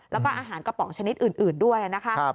แล้วก็อาหารกระป๋องชนิดอื่นด้วยนะคะ